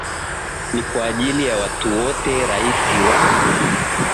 ni kwa ajili ya watu wote Rais wa